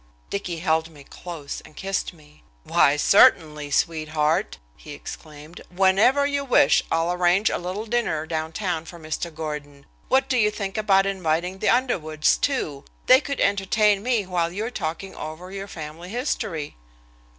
Dicky held me close and kissed me. "Why, certainly, sweetheart," he exclaimed. "Whenever you wish I'll arrange a little dinner down town for Mr. Gordon. What do you think about inviting the Underwoods, too? They could entertain me while you're talking over your family history."